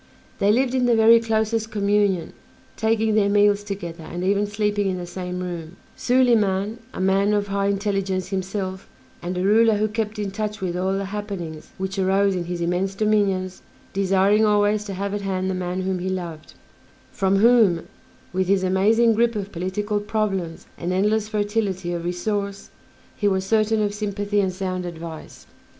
They lived in the very closest communion, taking their meals together, and even sleeping in the same room, Soliman, a man of high intelligence himself, and a ruler who kept in touch with all the happenings which arose in his immense dominions, desiring always to have at hand the man whom he loved; from whom, with his amazing grip of political problems and endless fertility of resource, he was certain of sympathy and sound advice.